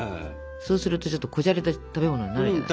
そうするとちょっと小じゃれた食べものになるじゃない。